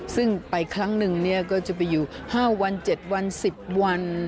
ซึ่งไปครั้งหนึ่งก็จะไปอยู่๕วัน๗วัน๑๐วัน